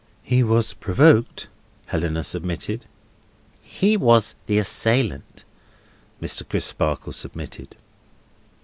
"He was provoked," Helena submitted. "He was the assailant," Mr. Crisparkle submitted.